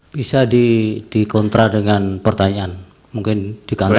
bisa dikontra dengan pertanyaan mungkin dikantarkan